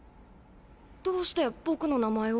どうして僕の名前を？